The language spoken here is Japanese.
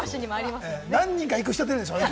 何人か行く人、出るでしょうね。